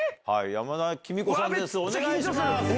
山田貴美子さんです